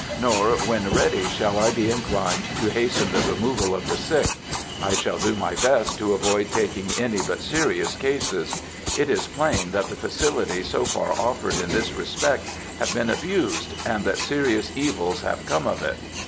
Nor, when ready, shall I be inclined to hasten the removal of the sick. I shall do my best to avoid taking any but serious cases. It is plain that the facilities so far offered in this respect have been abused, and that serious evils have come of it.